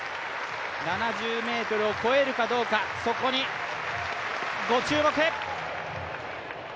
７０ｍを超えるかどうかそこにご注目。